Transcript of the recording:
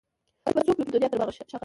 بل به څوک وي پر دنیا تر ما ښاغلی